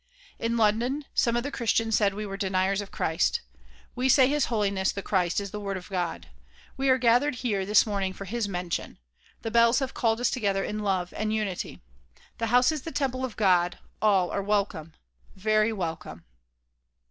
In London some of the Christians said we were deniers of Christ. We say His Holiness the Christ is the Word of God. We are gathered here this morning for his mention. The bells have called us together in love and unity. This house is the temple of God. All are welcome! Very welcome!